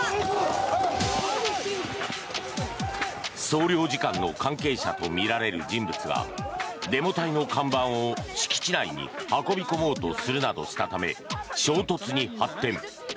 総領事館の関係者とみられる人物がデモ隊の看板を敷地内に運び込もうとするなどしたため衝突に発展。